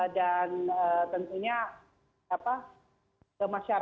dan tentunya kemasyarakat juga bisa melakukan